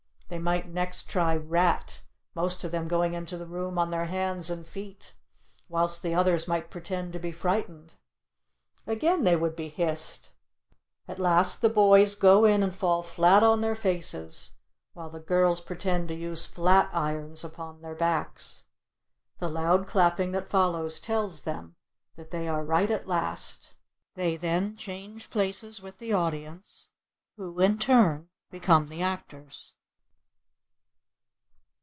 They might next try "Rat," most of them going into the room on their hands and feet, whilst the others might pretend to be frightened. Again they would be hissed. At last the boys go in and fall flat on their faces, while the girls pretend to use flat irons upon their backs. The loud clapping that follows tells them that they are right at last. They then change places with the audience, who, in turn, become the actors.